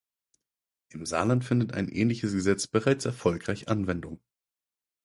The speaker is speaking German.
Im Saarland findet ein ähnliches Gesetz bereits erfolgreich Anwendung.